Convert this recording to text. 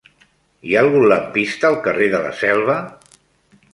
Hi ha algun lampista al carrer de la Selva?